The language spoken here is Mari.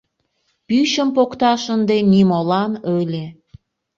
Пӱчым покташ ынде нимолан ыле.